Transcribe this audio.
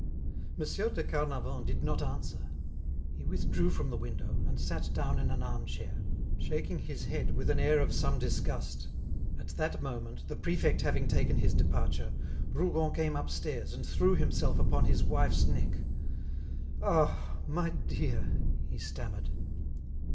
Monsieur de Carnavant did not answer. He withdrew from the window, and sat down in an arm chair, shaking his head with an air of some disgust. At that moment, the prefect having taken his departure, Rougon came upstairs and threw himself upon his wife's neck. "Ah! my dear!" he stammered.